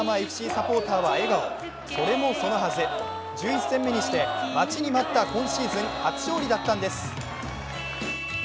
サポーターは笑顔それもそのはず１１戦目にして待ちに待った今シーズン初勝利だったんです。